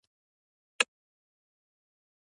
ژبه د مور مهربانه غږ دی